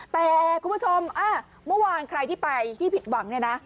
แต่คุณผู้ชมเมื่อวานใครที่ไปที่ผิดหวังเนี่ยนะ